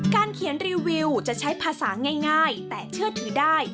เขียนรีวิวจะใช้ภาษาง่ายแต่เชื่อถือได้